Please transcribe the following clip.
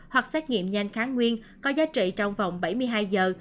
hoặc xét nghiệm nhanh kháng nguyên có giá trị trong vòng bảy mươi hai giờ